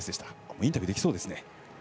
インタビューできそうですね。